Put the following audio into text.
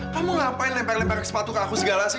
kamu ngapain lempar lempar ke sepatu ke aku segala sih